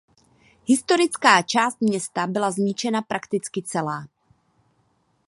Historická část města byla zničena prakticky celá.